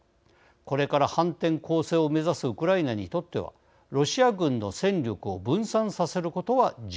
これから反転攻勢を目指すウクライナにとってはロシア軍の戦力を分散させることは重要です。